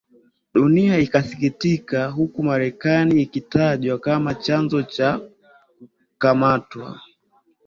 dunia ikatikisika huko marekani ikitajwa kama chanzo ya kukamatwa